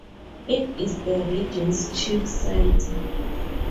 It is the region's chief center.